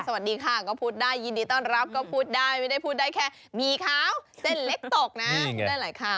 สวัสดีค่ะก็พูดได้ยินดีต้อนรับก็พูดได้ไม่ได้พูดได้แค่หมี่ขาวเส้นเล็กตกนะได้หลายข่าว